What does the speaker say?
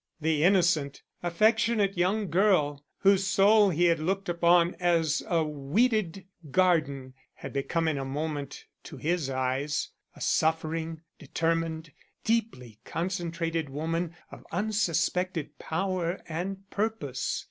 The innocent, affectionate young girl, whose soul he had looked upon as a weeded garden, had become in a moment to his eyes a suffering, determined, deeply concentrated woman of unsuspected power and purpose.